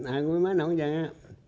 ai cũng mấy ổng chờ nghe